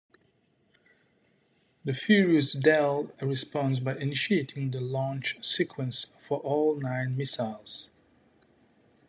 The furious Dell responds by initiating the launch sequence for all nine missiles.